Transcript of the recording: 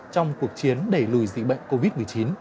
trong cuộc chiến để lùi dị bệnh covid một mươi chín